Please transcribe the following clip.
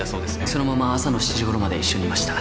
そのまま朝の７時ごろまで一緒にいました